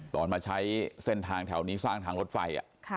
ตอนมาใช้เส้นทางแถวนี้สร้างทางรถไฟ